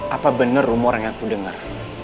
apa bener rumor yang aku dengar